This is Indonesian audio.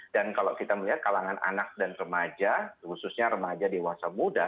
dan kalau kita melihat kalangan anak dan remaja khususnya remaja dewasa muda